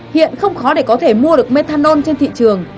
hiện không khó để có thể mua được methanol trên thị trường